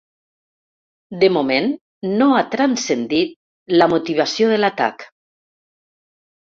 De moment no ha transcendit la motivació de l’atac.